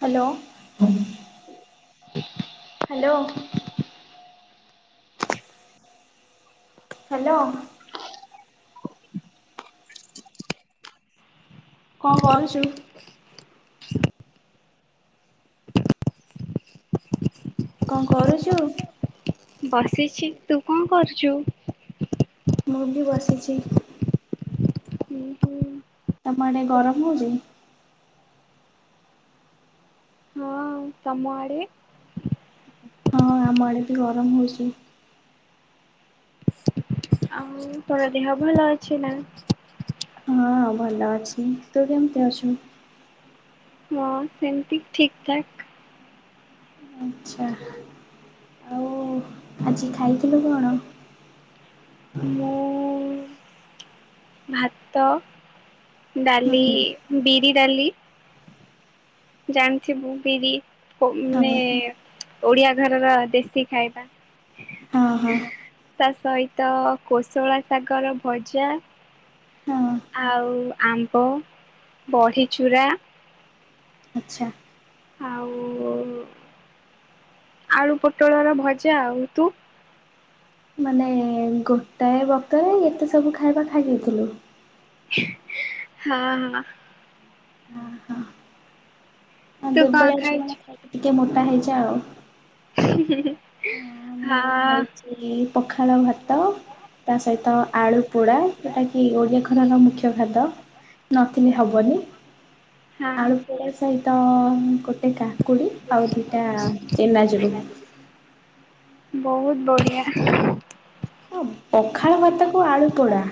Hello. Hello. Hello. କଣ କରୁଛୁ? କଣ କରୁଛୁ? ବସିଛି, ତୁ କଣ କରୁଛୁ? ମୁଁ ବି ବସିଛି। ତମଆଡେ ଗରମ ହୋଉଚି? ତମଆଡ଼େ? ହଁ ଆମ ଆଡ଼େ ବି ଗରମ ହେଉଚି। ଆଉ ତୋର ଦେହ ଭଲ ଅଛି ନା? ହଁ ଭଲ ଅଛି, ତୁ କେମିତି ଅଛୁ? ହଁ ସେମିତି ଠିକ ଠାକ। ଆଚ୍ଛା ଆଉ ଆଜି ଖାଇଥିଲୁ କଣ? ତ ଡାଲି ହୁଁ ବିରି ଡାଲି। ହଁ ଜାଣିଥିବୁ ବିରି ମାନେ ହଁ ଓଡିଆ ଘରର ଦେଶୀ ଖାଇବା। ହଁ ହଁ। ତା ସହିତ କୋଶଳା ଶାଗର ଭଜା। ଆଉ ଆମ୍ବ ବଢିଚୂୁରା। ଆଚ୍ଛା। ଆଉ ଆଳୁ ପୋଟଳ ର ଭଜା ଆଉ, ତୁ? ମାନେ ଗୋଟାଏ ବତ ଏତେ ସବୁ ଖାଇବା ଖାଇ ଯାଇଥିଲୁ ହଁ। ହଁ ହଁ ତୁ କଣ ଦୁର୍ବଳିଆ ଛ ଖାଇଛୁ? ଖାଇ ଟିକେ ମୋଟା ହେଇଯା ଆଉ। ହ ମୁଁ ହଁ ଖାଇଛି ପଖାଳ ଭାତ। ତା ସହିତ ଆଳୁ ପୋଡା ଯଉଟା କିି ଓଡିଆ ଘରେ ମୁଖ୍ୟ ଖାଦ୍ୟ। ନଥିଲେ ହବନି। ହଁ ଆଳୁ ପୋଡ ସହିତ ଗୋଟେ କାକୁଡି ଆଉ ଦିଟା ଚେନାଚୁର। ହୁଁ। ବହୁତ ବଢିଆ। ହ ପଖାଳ ଭାତକୁ ଆଳୁ ପୋଡା।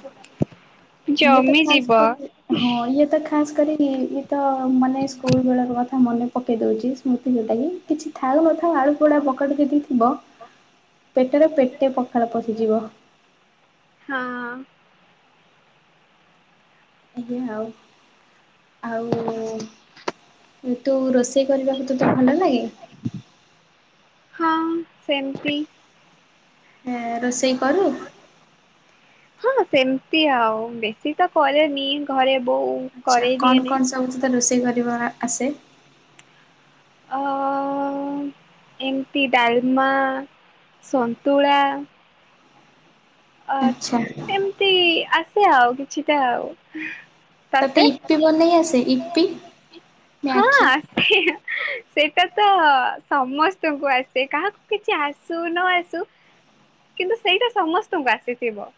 ଇଏ ତ ଜମି ଯିବ। ଖାସ କରି ହଁ ଇଏ ତ ଖାସ କରି ତ ମାନେ ସ୍କୁଲ ବେଳର କଥା ମନେ ପକାଇ ଦେଉଛି ସ୍ମୃତି ଯେଉଁଟାକି କି ଥାଉ ନଥାଉ ଆଳୁ ପୋଡ଼ ପକଟେ ଯଦି ଥିବ। ପେଟରେ ପେଟେ ପଖରେ ପଶିଯିବ। ହଁ ଆଉ ଆଉ ତୁ ରୋଷେଇ କରିବାକୁ ତ ତ ଭଣ୍ଡ ଲାଗେ। ହଁ ସେମତି। ହଁ ରୋଷେଇ କରୁ ହଁ ସେମତି ଆଉ ବେଶୀ ତ କରେନି ଘରେ। ବୋଉ ଆଚ୍ଛା କରେଇ କଣ ଦିଏନି। କଣ ସବୁ ତିକ ରୋଷେଇ କରିବା ଆସେ? ଅ ଅ ଅ ଏମିତି ଡାଲମା, ସନ୍ତୁଳା ଅ ଆଚ୍ଛା ଏମିତି ଆସେ ଆଉ କିଛିଟା ଆଉ। ତୋତେ ତତେ ଇପି ବନେଇ ଆସେ ଇପି ହଁ ମ୍ୟାଗି? ଆସେ। ସେଇଟା ତ ସମସ୍ତଙ୍କୁ ଆସେ କାହାକୁ କିଛି ଆସୁ ନ ଆସୁ। କିନ୍ତୁ ସେଇଟା ସମସ୍ତଙ୍କୁ ଆସିଥିବ।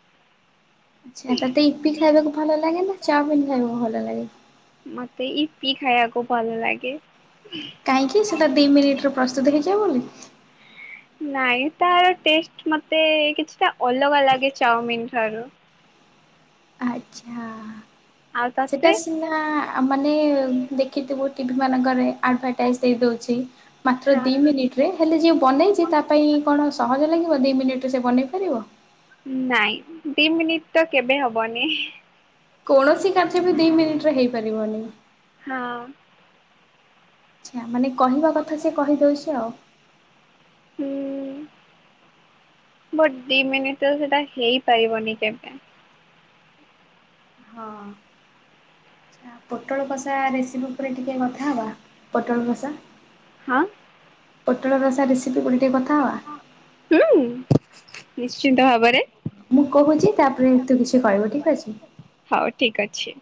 ଆଚ୍ଛା ତାେତେ ଇପି ଖାଇବାକୁ ଭଲ ଲାଗେ ନା ଚାଉମିନ୍ ଖାଇବାକୁ ଭଲ ଲାଗେ। ମତେ ଇପି ଖାଇବାକୁ ଭଲ ଲାଗେ। କାହିଁକି ସେଇଟା ଦି ମିନିଟ୍ ରେ ପ୍ରସ୍ତୁତ ହେଇଯିବ ବୋଲି। ନାଇଁ ତାର ଟେଷ୍ଟ୍ ମତେ କିଛିଟା ଅଲଗା ଲାଗେ ଚାଉମିନ। ସାରୁ ଆଚ୍ଛା। ଆଉ ସେଟା ତତେ? ସିନା ମାନେ ଦେଖିଥିବୁ ଟିଭି ମାନଙ୍କରେ ଆଡାଭାଟାଇସି ଦେଇଦଉଚି ମାତ୍ର ଦିଇ ମିନିଟ୍ ରେ ହେଲେ ଯିଏ ବନେଇଛି ତା ପାଇଁ କଣ ସହଜ ଲାଗି ବ ଦି ମିନିଟ୍ ରେ ସେ ବନେଇ ପାରିବ। ନାଇଁ। ଦି ମିନିଟ୍ ତ କେବେ ହବନି। କୌଣସି କାର୍ଯ୍ୟ ବି ଦି ମିନିଟ୍ ରେ ହେଇପାରିବନି। ହଁ ଆଚ୍ଛା ମାନେ କହିବା କଥା ସେ କହିଦଉଛି ଆଉ। ବଟ୍ ଦି ମିନିଟ୍ ରେ ସେଟା ହେଇପାରିବନି କେବେ। ହଁ। ଆଚ୍ଛା ପୋଟଳ କଷା ରେସିପି ଉପରେ ଟିକେ କଥା ହବା ପୋଟଳ କଷା ହଁ। ପୋଟଳ ରସା ରେସିପି ଉପରେ ଟିକେ କଥା ହବା। ହୁଁ ନିଶ୍ଚିନ୍ତ ଭାବରେ। ମୁଁ କହୁଛି ତାପରେ ତୁ କିଛି କହିବୁ ଠିକ୍ ଅଛି। ଠିକ୍ ଅଛି।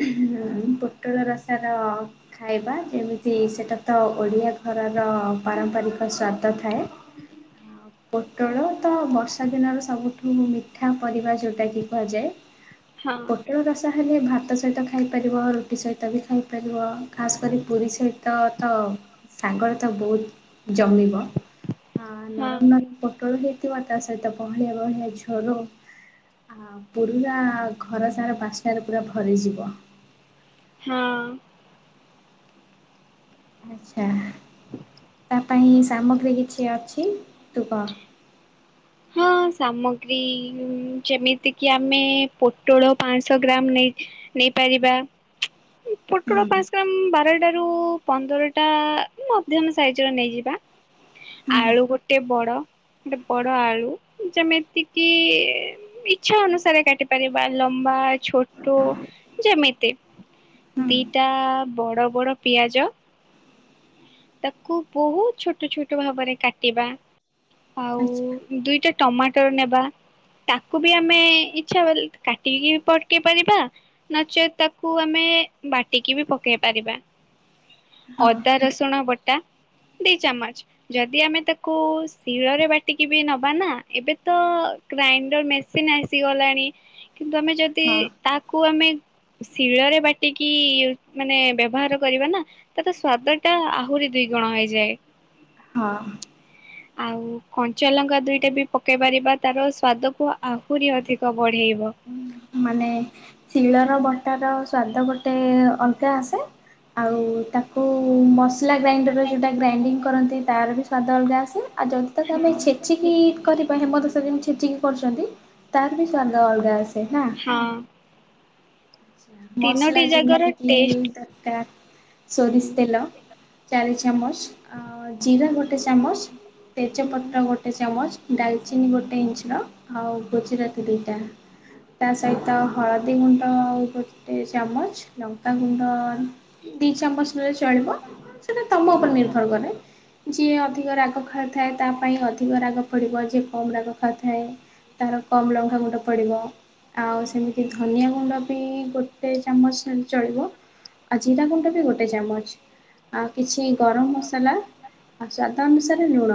ହୁଁ ପୋଟଳ ରସା ର ଖାଇବା ଯେମିତି ସେଟା ତ ଓଡ଼ିଆ ଘ ଘରର ପାରମ୍ପାରିକ ସ୍ଵାଦ ଥାଏ। ପୋଟଳ ତ ବର୍ଷା ଦିନର ସବୁଠୁ ମିଠା ପରିବା ଯୋଉଟା କି କୁହାଯାଏ। ହଁ ପୋଟଳ ରସା ଖାଲି ଭାତ ସହିତ ଖାଇପାରିବ ରୁଟି ସହିତ ବି ଖାଇପାରିବ ଖାସ୍ କରି ପୁରୀ ସହିତ ତ ସାଙ୍ଗରେ ତ ବହୁତ୍ ଜମିବ ହଁ ନରମ ନରମ ପୋଟଳ କୁ [unintelligible] ତା ସହିତ ବହଳିଆ ବହଳିଆ ଝୋଳ ଆ ପୁରି ରା ଘର ସାରା ବାସ୍ନାରେ ପୁରା ଭରିଯିବ। ହଁ। ଆଚ୍ଛା ତା ପାଇଁ ସାମଗ୍ରୀ କିଛି ଅଛି ତୁ କହ। ହଁ ସାମଗ୍ରୀ ଯେମିତି କିି ଆମେ ପୋଟଳ ପାଁଶହ ଗ୍ରାମ ନେଇ ନେଇପାରିବା। ପୋଟଳ ହୁଁ ପାଁଶ ଗ୍ରାମ୍ ବାରଡା ରୁ ପନ୍ଦର ଟା ମଧ୍ୟମ ସାଇଜିର ନେଇଯିବା। ହୁଁ ଆଳୁ ଗୋଟେ ବଡ଼ ପଟ ଯେମିତିକି ଇଛା ଅନୁସାରେ କାଟି ପାରିବା ଲମ୍ବା, ଛୋଟ ଯେମିତି ହୁଁ ଦିଟା ବଡ଼ ବଡ଼ ପିଆଜ ତାକୁ ବହୁତ୍ ଛୋଟ ଛୋଟ ଭାବରେ କାଟିବା ଆଉ ଆଚ୍ଛା ଦୁଇଟା ଟମାଟର ନେବା। ତାକୁ ବି ଆମେ ଇଚ୍ଛା କାଟିକି ପକେଇପାରିବା ନଚେତ୍ ତାକୁ ଆମେ ବାଟିକି ବି ପକେଇ ପାରିବା, ହଁ ଅଦା ରସୁଣ ବଟା ଦି ଚାମଚ ଯଦି ଆମେ ତାକୁ ଶିଳରେ ବାଟିକି ବି ନବା ନା ଏବେ ତ ଗ୍ରାଇଣ୍ଡର ମେସିନ ଆସିଗଲାଣି କିନ୍ତୁ ଆମେ ଯଦି, ହଁ ତାକୁ ଆମେ ଶିଳରେ ବାଟିକି ମାନେ ବ୍ୟବହାର କରିବା ନା ତା ତ ସ୍ଵାଦ ଟ ଆହୁରି ଦୁଇ ଗୁଣ ହେଇଯାଏ। ହଁ। ଆଉ କଞ୍ଚାଲଙ୍କା ଦୁଇଟା ବି ପକେଇ ପାରିବା ତାର ସ୍ଵାଦକୁୁ ଆହୁରି ଅଧିକ ବଢେଇବ। ମାନେ ଶିଳର ବଟାର ସ୍ଵାଦ [unintelligible] ବର୍ ଗୋଟେ ଅଲଗା ଆସେ ଆଉ ତାକୁ ମସଲା ଗ୍ରାଇଣ୍ଡର ଯେଉଁଟା ଗ୍ରାଇଙ୍ଗ୍ କରନ୍ତି ତାର ବି ସ୍ଵାଦ ଅଲଗା ଆସେ। ଆଉ ଯଦି ତାକୁ ଆମେ ହଁ। ଛେଚିକି କରିବା ହଁ ହେମଦସ୍ତା ଯେମିତି ଛେଚିକି କରୁଛନ୍ତି ତାର ବି ସ୍ଵାଦ ଅଲଗା ଆସେ ନା। ମସଲା ତିନୋଟି ଜାଗାର ଯେମିତି କି ଟେଷ୍ଟ ହୁଁ। ସୋରିଷ ତେଲ ଚାଳିଶ ଚାମଚ ଜିରା ଗୋଟେ ଚାମଚ ହୁଁ। ତେଜପତ୍ର ଗୋଟେ ଚାମଚ ଡାଲଚିନି ଗୋଟେ ଇଞ୍ଚର ଆଉ ଗୁଜୁରାତି ଦୁଇଟା ତା ସହିତ ହଳଦୀ ଗୁଣ୍ଡ ଆଉ ଗୋଟେ ଚାମଚ ଲଙ୍କାଗୁଣ୍ଡ ଦି ଚାମଚ ନଲେ ଚଳିବ, ସେଟା ତମ ଉପରେ ନିର୍ଭର କରେ। ଯିଏ ଅଧିକ ରାଗ ଖାଇଥାଏ ତା ପାଇଁ ଅଧିକ ରାଗ ପଡିବ ଯେ। କମ୍ ରାଗ ଖାଉଥାଏ ତାର କମ୍ ଲଙ୍କାାଗୁଣ୍ଡ ପଡ଼ିବ ଆଉ ସେମିତି ଧନିଆ ଗୁଣ୍ଡ ବି ଗୋଟେ ଚାମଚ ଚଳିବ, ଆଉ ଜିରା ଗୁଣ୍ଡ ବି ଗୋଟେ ଚାମଚ। ଆଉ କିଛି ଗରମ ମସଲା ଆଉ ସ୍ଵାଦ ଅନୁସାରେ ଲୁଣ।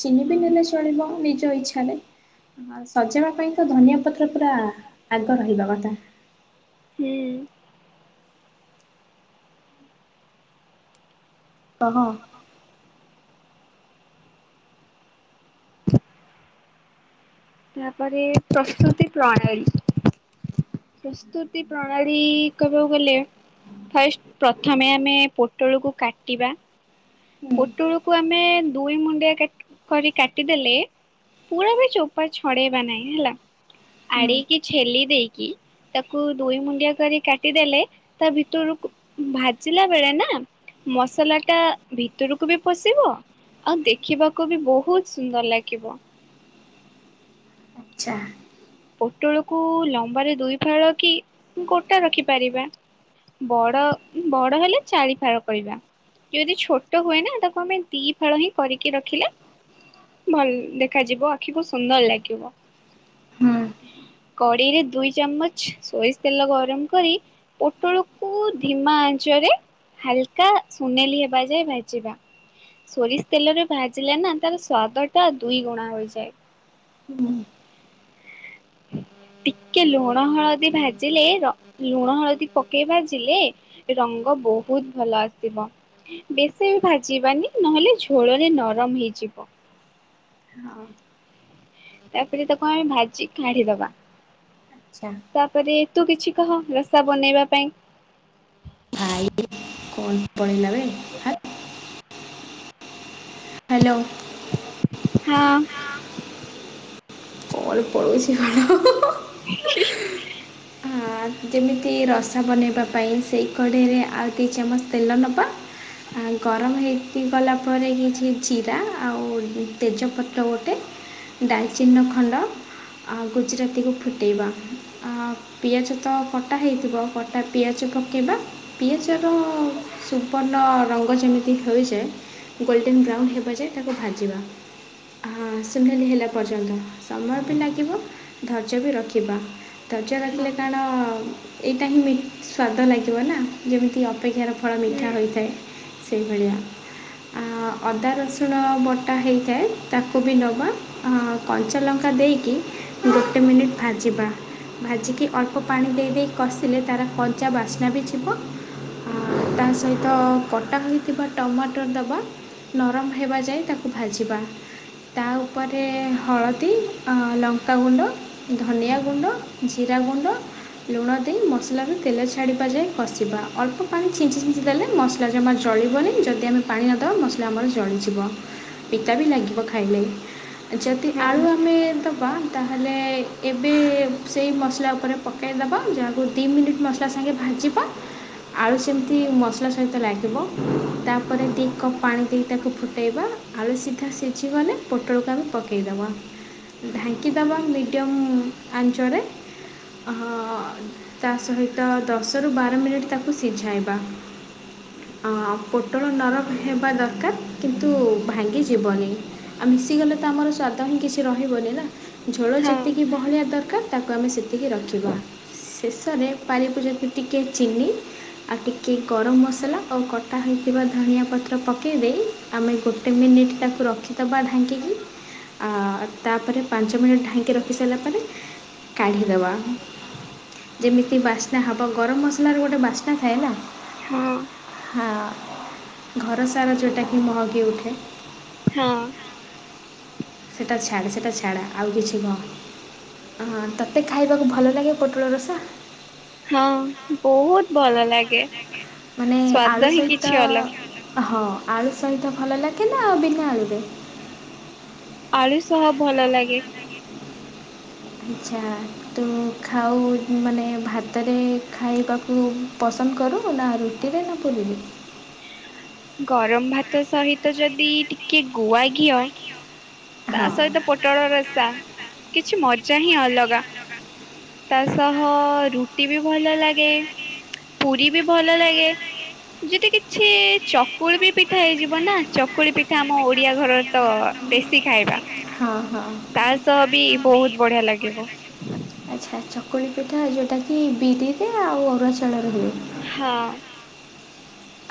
ଚିନି ହଁ। ନେଲେ ଚଳିବ ନିଜ ଇଚ୍ଛାରେ। ସଜବା ପାଇଁ ତ ଧନିଆ ପତ୍ର ପୁରା ଆଗ ରହିବା କଥା। ହୁଁ। କହ ତାପରେ ପ୍ରସ୍ତୁତି ପ୍ରଣାଳି। ପ୍ରସ୍ତୁତି ପ୍ରଣାଳୀ କବ ଗଲେ ଫାଷ୍ଟ ପ୍ରଥମେ ଆମେ ପୋଟଳକୁ କାଟିବା। ହୁଁ ପୋଟୁଳକୁ ଆମେ ଦୁଇ ମୁଣ୍ଡିଆ କରି କାଟିଦେଲେ ପୁରା ବି ଚୋପା ଛଡେଇବା ନାହିଁ ହେଲା ହୁଁ ଆଡେଇକି ଛେଲି ଦେଇକି ତାକୁ ଦୁଇ ମୁଣ୍ଡିଆ କରି କାଟିଦେଲେ ତା ଭିତରକୁ ଭାଜିଲା ବେଳେ ନା ମସଲା ଟା ଭିତରକୁ ବି ପଶିବ ଆଉ ଦେଖିବାକୁ ବି ବହୁତ ସୁନ୍ଦର ଲାଗିବ। ଆଚ୍ଛା। ପୋଟଳକୁ ଲମ୍ବାରେ ଦୁଇ ଫାଳ କି ଗୋଟା ରଖିପାରିବା। ବଡ ବଡ ହେଲେ ଚାରି ଫାଳ କରିବା। ଯଦି ଛୋଟ ହୁଏ ନା ତାକୁ ଆମେ ଦି ଫାଳ ହିଁ କରିକି ରଖିଲେ ଭଲ ଦେଖାଯିବ ଆଖିକୁ ସୁନ୍ଦର ଲାଗିବ। ହୁଁ [inaudible] କଡେଇରେ ଦୁଇ ଚାମଚ ସୋରିଷ ତେଲ ଗରମ କରି ପୋଟଳକୁ ଧିମା ଆଁ ଚଂ ରେ ହାଲକା ସୁନେଲି ହେବା ଯାଏ ଭାଜିବା। ସୋରିଷ ତେଲରେ ଭାଜିଲେ ନା ତାର ସ୍ଵାଦ ଟା ଦୁଇ ଗୁଣା ହୋଇଯାଏ। ହଁ। [inaudible] ଟିକେ ଲୁଣ ହଳଦୀ ଭାଜିଲେ ଲୁଣ ହଳଦୀ ପକେଇ ଭାଜିଲେ ରଙ୍ଗ ବହୁତ ଭଲ ଆସିବ। ବେଶି ବି ଭାଜିବାନି ନହେଲେ ଝୋଳରେ ନରମ ହେଇଯିବ। ହଉ। ତାପରେ ତାକୁ ଆମେ ଭାଜି କାଢିଦବା। ଆଚ୍ଛା ତାପରେ ତୁ କିଛି କହ ରାସ୍ତା ବନେଇବା ପାଇଁ କଣ ପଳେଇଲାବେ? ହ୍ୟାଲୋ। ହଁ‌। କଲ୍ ପଳେଇଛି କଣ। [inaudible] ହଁ, ଯେମିତି ରସ ବନେଇବା ପାଇଁ ସେଇ କଡେଇରେ ଆଉ ଦି ଚାମଚ ତେଲ ନବା। ଆଁ ଗରମ ହେଇଗଲା ପରେ କିଛି ଜିରା ଆଉ ତେଜପତ୍ର ଗୋଟେ ଡାଲଚିନ ଖଣ୍ଡ ଆଁ ଗୁଜୁରାତିକୁ ଫୁଟେଇବା, ଆଁ ପିଆଜ ତ କଟା ହେଇଥିବ କଟା ପିଆଜ ପକେଇବା, ପିଆଜର ସୁବର୍ଣ୍ଣ ରଙ୍ଗ ଯେମିତି ହୋଇଯାଏ ଗୋଲ୍ଡେନ୍ ବ୍ରାଉନ୍ ହେବା ଯାଏ ତାକୁ ଭାଜିବା, ହାଁ ସୁନେଲି ହେଲା ପର୍ଯ୍ୟନ୍ତ। ସମୟ ବି ଲାଗିବ ଧୈର୍ଯ୍ୟ ବି ରଖିବା, ଧୈର୍ଯ୍ୟ ରଖିଲେ ହଁ। କାରଣ ଏଇ ଏଟା ହିଁ ସ୍ୱାଦ ଲାଗିବ ନା, ଯେମିତି ଅପେକ୍ଷାର ଫଳ ହୁଁ ମିଠା ହୋଇଥାଏ। ସେଇଭଳିଆ। ଆଁ ଅଦା ରସୁଣ ବଟା ହେଇଥାଏ ତାକୁ ବି ନବା ଆଁ କଞ୍ଚା ଲଙ୍କା ଦେଇକି ଗୋଟେ ମିନିଟ୍ ଭାଜିବା। ଭାଜିକି ଅଳ୍ପ ପାଣି ଦେଇ ଦେଇ କଷିଲେ ତାର କଞ୍ଚା ବାସ୍ନା ବି ଯିବ ଆଁ ତା ସହିତ କଟା ହୋଇଥିବା ଟମାଟର ଦବା। ନରମ ହେବା ଯାଏ ତାକୁ ଭାଜିବା, ତା ଉପରେ ହଳଦୀ ଆଁ ଲଙ୍କାଗୁଣ୍ଡ, ଧନିଆ ଗୁଣ୍ଡ, ଜିରା ଗୁଣ୍ଡ ଲୁଣ ଦେଇ ମସଲାରୁ ତେଲ ଛାଡ଼ିବା ଯାଏ କଷିବା ଅଳ୍ପ ପାଣି ଛିଞ୍ଚି ଛିଞ୍ଚି ଦେଲେ ମସଲା ଜମା ଜ ଜଳିବନି ଯଦି ଆମେ ପାଣି ନ ଦବା ମସଲା ଆମର ଜଳିଯିବ ପିତା ବି ଲାଗିବ ଖାଇଲେ। ଯଦି ଆଳୁ ହଁ ଆମେ ଦବା ତାହେଲେ ଏବେ ସେଇ ମସଲା ଉପରେ ପକେଇ ଦବା ଯାହାକୁ ଦି ମିନିଟ୍ ମସ୍ ଲା ସଙ୍ଗେ ଭାଜିବା। ଆଳୁ ସେମିତି ମସଲା ସହିତ ଲାଗିବ ତାପରେ ଦି କପ୍ ପାଣି ଦେଇ ତାକୁ ଫୁଟେଇବା। ଆଳୁ ସିଧା ସିଝିଗଲେ ପୋଟଳକୁ ଆମେ ପକେଇଦବା। ଢାଙ୍କିଦବା ମିଡ଼ିଅମ୍ ଆଞ୍ଚରେ। ହଁ ତା ସହିତ ଦଶରୁ ବାର ମିନିଟ୍ ତାକୁ ସିଝାଇବା। ଆଁ ପୋଟଳ ନରମ ହେବା ଦରକାର କିନ୍ତୁ ଭାଙ୍ଗି ଯିବନି ଆମ୍ ମିଶିଗଲେ ତ ଆମର ସ୍ୱାଦ ହିଁ କିଛି ରହିବନି ନା ଝୋଳ ଯେତିକି ହଁ। ବହଳିଆ ଦରକାର ତାକୁ ଆମେ ସେତିକି ରଖିବା ଶେଷରେ ପାରିବ ଯଦି ଟିକିଏ ଚିନି ଆଉ ଟିକେ ଗରମ ମସଲା ଆଉ କଟା ହୋଇଥିବା ଧଣିଆ ପତ୍ର ପକେଇ ଦେଇ ଆମେ ଗୋଟେ ମିନିଟ୍ ମିନିଟ୍ ତାକୁ ରଖିଦବା ଢାଙ୍କିକି ଆ ତା ପରେ ପାଞ୍ଚ ମିନିଟ୍ ଢାଙ୍କି ରଖି ସାରିଲା ପରେ କାଢ଼ିଦବା। ଯେମିତି ବାସ୍ନା ହବ ଗରମ ମସଲାର ଗୋଟେ ବାସ୍ନା ଥାଏ ନା। ହଁ। ହଁ ଘର ସାରା ଯୋଉଟାକି ମହକି ଉଠେ। ହଁ। ସେଟା ଛାଡେ ସେଟା ଛାଡେ ଆଉ କିଛି କହ। ହଁ ତୋତେ ଖାଇବାକୁ ଭଲ ଲାଗେ ପୋଟଳ ରସା? ହଁ ବହୁତ ଭଲ ଲାଗେ। ମାନେ ଆଳୁ ସ୍ଵାଦ ହିଁ ସହିତ କିଛି ଅଲଗା ହଁ ଆଳୁ ସହିତ ଭଲ ଲାଗେ, ନା ବିନା ଆଳୁରେ? ଆଳୁ ସହ ଭଲ ଲାଗେ। ଆଛା ତୁ ଖାଉ, ମାନେ ଭାତରେ ଖାଇବାକୁ ପସ୍ ନ୍ଦ କରୁ ନା ରୁଟିରେ ନା ପୁରିରେ? ଗରମ ଭାତ ସହିତ ଯଦି ଟିକେ ଗୁଆ ଘିଅ। ତା ହଁ ସହିତ ପୋଟଳ ରସା କିଛି ମଜା ହିଁ ଅଲଗା ତା ସହ ରୁଟି ବି ଭଲ ଲାଗେ ପୁରି ବି ଭଲ ଲାଗେ। ଯିଦି କିଛି ଚକୁଳି ବି ପିଠା ହେଇଯିବ ନା। ଚକୁଳି ପିଠା ଆମ ଓଡିଆ ଘରର ତ ବେଶୀ ତି ଖାଇବା ହଁ ହଁ ତା ସହ ବି ବହୁତ ବଢିଆ ଲାଗିବ। ଆଚ୍ଛା ଚକୁଳି ପିଠା ଯେଉଁଟାକି ବିରିରେ ଆଉ ଅରୁଆ ଚାଉଳ ରେ ହୁଏ। ହଁ।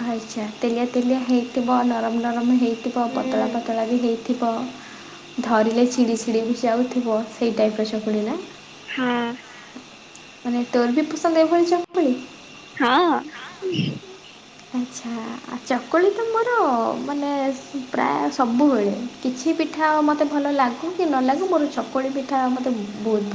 ଆଚ୍ଛା ତେଲିଆ ତେଲିଆ ହେଇଥିବ। ନରମ ନରମ ହେଇ ଥିବ ପତଳା ହୁଁ ପତଳା ବି ହେଇଥିବ। ଧରିଲେ ଛିଡି ଛିଡ଼ି ବି ଯାଉଥିବ ସେଇ ଟାଇପର ଚକୁଳି ନା। ହଁ। ମାନେ ତୋର ବି ପସନ୍ଦ ଏଇଭଳି ଚକୁଳି। ହଁ। ଆଚ୍ଛା ଆ ଚକୁଳି ତ ମୋର ମାନେ ପ୍ରାୟ ସବୁବେଳେ କିଛି ପିଠା ମୋତେ ଭଲ ଲାଗୁ କି ନ ଲାଗୁ ମୋର ଚକ ଚକୁଳି ପିଠା ମତେ ବହୁତ ଭଲ